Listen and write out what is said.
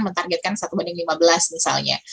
mentargetkan satu banding lima belas misalnya